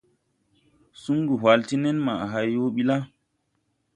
Sungu whal ti nenmaʼa hay yõõ bi la.